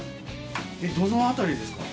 どの辺りですか？